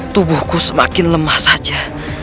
tubuhku semakin lemah saja